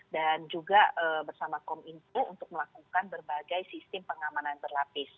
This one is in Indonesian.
dan juga bersama kom inpu untuk melakukan berbagai sistem pengamanan berlapis